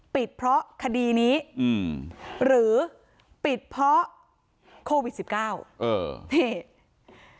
ปิดเพราะคดีนี้อืมหรือปิดเพราะโควิดสิบเก้าเออนี่